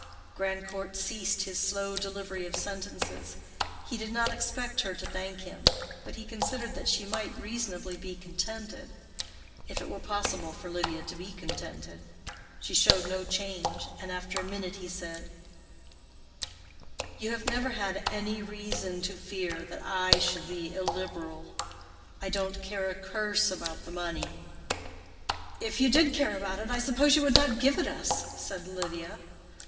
Grandcourt ceased his slow delivery of sentences. He did not expect her to thank him, but he considered that she might reasonably be contented; if it were possible for Lydia to be contented. She showed no change, and after a minute he said, "You have never had any reason to fear that I should be illiberal. I don't care a curse about the money." "If you did care about it, I suppose you would not give it us," said Lydia.